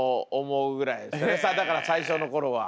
だから最初の頃は。